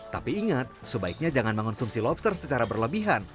tapi ingat sebaiknya jangan mengonsumsi lobster secara berlebihan